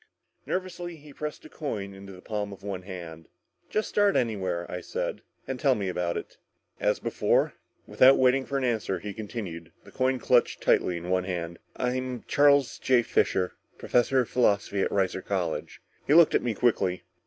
Nervously he pressed a coin into the palm of one hand. "Just start anywhere," I said, "and tell me all about it." "As before?" Without waiting for an answer, he continued, the coin clutched tightly in one hand. "I'm Charles J. Fisher, professor of Philosophy at Reiser College." He looked at me quickly.